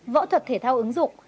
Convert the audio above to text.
võ thuật thể thao ứng dụng